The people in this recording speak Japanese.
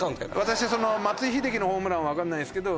私は松井秀喜のホームランはわかんないんですけど。